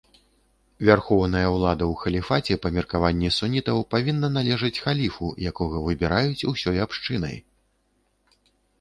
Вярхоўная ўлада ў халіфаце, па меркаванні сунітаў, павінна належаць халіфу, якога выбіраюць ўсёй абшчынай.